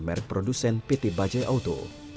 merk produsen pt bajaj auto